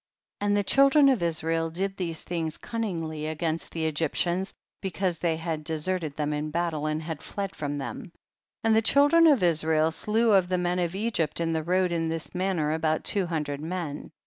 47. And the children of Israel did these things cunningly against the Egyptians, because they had desert ed them in battle and had fled from them. 48. And the children of Israel slew of the men of Egypt in the road in this manner, about two hundred men.